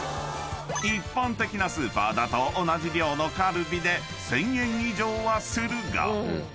［一般的なスーパーだと同じ量のカルビで１，０００円以上はするが］